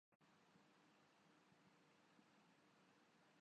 یہ ہمار امسئلہ ہے۔